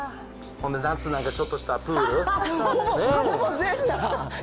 ほんで夏なんかちょっとしたプール。